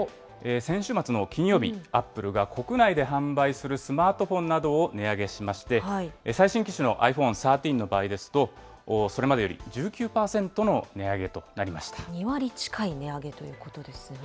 先週末の金曜日、アップルが国内で販売するスマートフォンなどを値上げしまして、最新機種のｉＰｈｏｎｅ１３の場合ですと、それまでより１９％の２割近い値上げということですね。